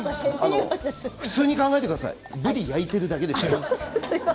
普通に考えてくださいぶりを焼いているだけです。